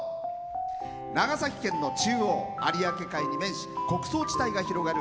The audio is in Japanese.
長崎県の中央有明海に面し、穀倉地帯が広がる